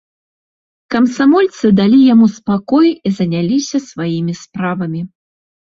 Камсамольцы далі яму спакой і заняліся сваімі справамі.